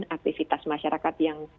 aktivitas masyarakat yang